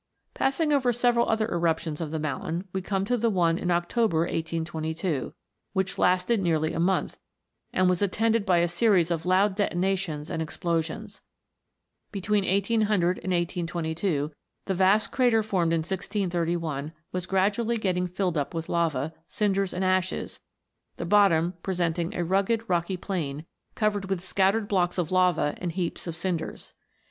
Passing over several other eruptions of the mountain, we come to the one in October, 1822, which lasted nearly a month, and was attended by a series of loud detonations and explosions. Between 1800 and 1822, the vast crater formed in 1631 was gradually getting filled up with lava, cinders, and ashes, the bottom presenting a rugged, rocky plain, covered with scattered blocks of lava and heaps of cinders.